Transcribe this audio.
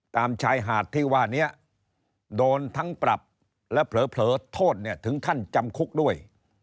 ตามชายหาดที่ว่านี้โดนทั้งปรับและเผลอโทษเนี่ยถึงขั้นจำคุกด้วย